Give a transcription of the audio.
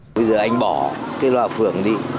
bây giờ anh bỏ cái loa phường đi